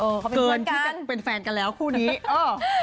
เขาเป็นเพื่อนกันเกินที่จะเป็นแฟนกันแล้วคู่นี้เออ